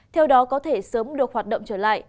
theo đó có thể sớm được hoạt động trở lại